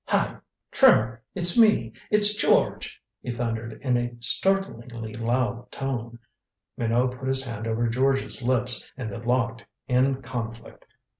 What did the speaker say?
"Hi Trimmer it's me it's George " he thundered in a startlingly loud tone. Minot put his hand over George's lips, and they locked in conflict.